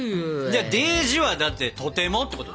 でーじはだって「とても」ってことでしょ？